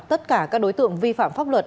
tất cả các đối tượng vi phạm pháp luật